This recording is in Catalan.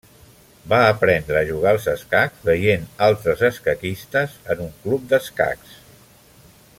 Va aprendre a jugar als escacs veient altres escaquistes en un club d'escacs.